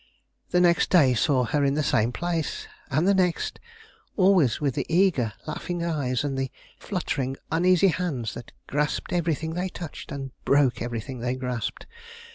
The next day saw her in the same place; and the next; always with the eager, laughing eyes, and the fluttering, uneasy hands, that grasped everything they touched, and broke everything they grasped.